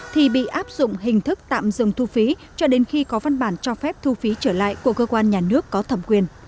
thì bị áp dụng hình thức tạm dừng thu phí cho đến khi có văn bản cho phép thu phí trở lại của cơ quan nhà nước có thẩm quyền